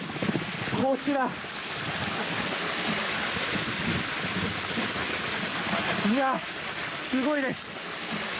こちら、すごいです。